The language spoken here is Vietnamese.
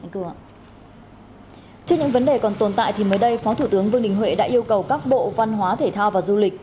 trước những vấn đề còn tồn tại thì mới đây phó thủ tướng vương đình huệ đã yêu cầu các bộ văn hóa thể thao và du lịch